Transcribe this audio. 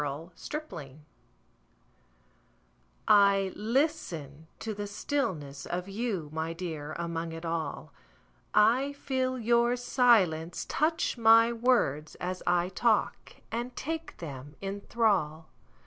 Listening I LISTEN to the stillness of you, My dear, among it all;I feel your silence touch my words as I talk, And take them in thrall.